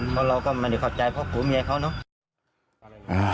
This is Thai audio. เพราะเราก็ไม่ได้ขอบใจพ่อผู้เมียเขานะ